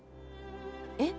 えっ？